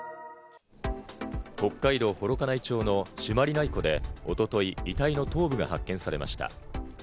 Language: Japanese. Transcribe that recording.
北海道幌加内町の朱鞠内湖でおととい遺体の頭部が発見されました。